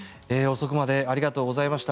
遅くまでありがとうございました。